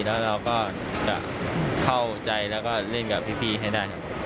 แล้วเราก็จะเข้าใจแล้วก็เล่นกับพี่ให้ได้